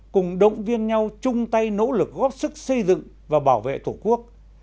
cùng động viên nhau chung tay nỗ lực góp sức xây dựng và bảo vệ tổ quốc